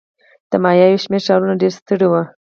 د مایا یو شمېر ښارونه ډېر ستر وو.